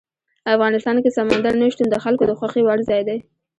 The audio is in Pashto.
افغانستان کې سمندر نه شتون د خلکو د خوښې وړ ځای دی.